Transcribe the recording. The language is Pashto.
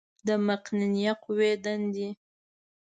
د مقننه قوې دندې